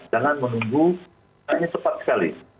jangan menunggu hanya cepat sekali